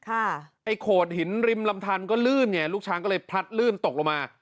ไอ้โขดหินริมลำทันก็ลื่นไงลูกช้างก็เลยพลัดลื่นตกลงมา